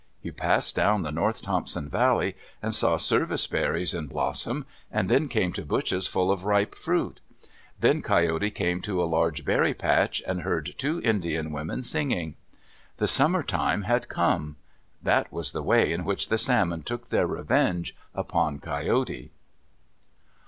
He passed down the North Thompson Valley and saw service berries in blossom, and then came to bushes full of ripe fruit. Then Coyote came to a large berry patch, and heard two Indian women singing. The summer time had come. That was the way in which the salmon took their revenge upon Coyote.